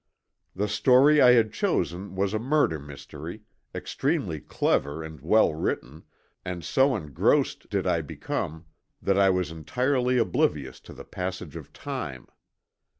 The story I had chosen was a murder mystery, extremely clever and well written, and so engrossed did I become that I was entirely oblivious to the passage of time.